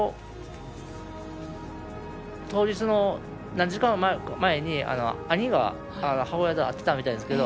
当日の何時間前に兄が母親と会っていたみたいなんですけど。